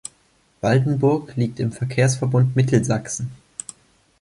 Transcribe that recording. Waldenburg liegt im Verkehrsverbund Mittelsachsen.